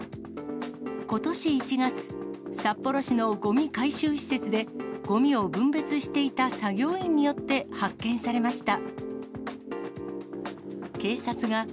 ことし１月、札幌市のごみ回収施設で、ごみを分別していた作業員によって発見されました。